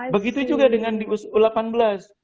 begitu juga dengan di u delapan belas